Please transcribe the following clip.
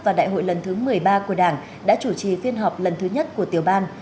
và đại hội lần thứ một mươi ba của đảng đã chủ trì phiên họp lần thứ nhất của tiểu ban